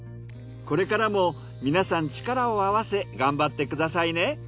これからも皆さん力を合わせ頑張ってくださいね。